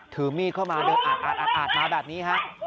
ถือมีดเข้ามาเดินอาดมาแบบนี้ฮะ